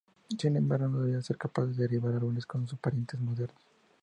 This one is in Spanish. Sin embargo, no debió de ser capaz de derribar árboles como sus parientes modernos.